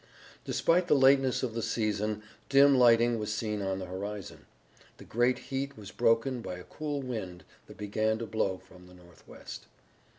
Despite the lateness of the season dim lightning was seen on the horizon. The great heat was broken by a cool wind that began to blow from the northwest.